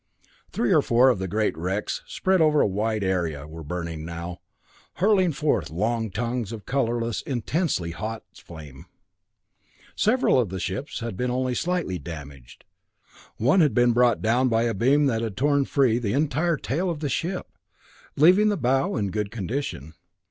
Three or four of the great wrecks, spread over a wide area, were burning now, hurling forth long tongues of colorless, intensely hot flame. Several of the ships had been only slightly damaged; one had been brought down by a beam that had torn free the entire tail of the ship, leaving the bow in good condition.